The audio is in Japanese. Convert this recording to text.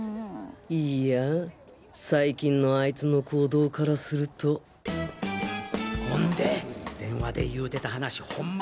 いや最近のアイツの行動からするとほんで電話で言うてた話ほんま